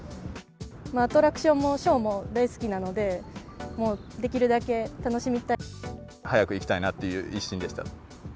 アトラクションもショーも大好きなので、早く行きたいなっていう一心でしたね。